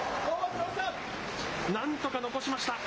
なんとか残しました。